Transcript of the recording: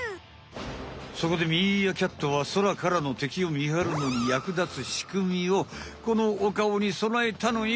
そこでミーアキャットは空からのてきを見はるのにやくだつしくみをこのおかおにそなえたのよ。